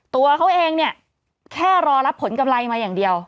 ตัวเขาเองเนี่ยแค่รอรับผลกำไรมาอย่างเดียว